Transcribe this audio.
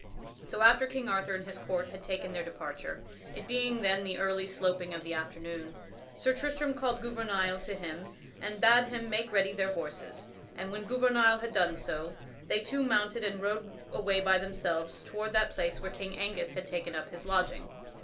So after King Arthur and his court had taken their departure it being then in the early sloping of the afternoon Sir Tristram called Gouvernail to him and bade him make ready their horses, and when Gouvernail had done so, they two mounted and rode away by themselves toward that place where King Angus had taken up his lodging.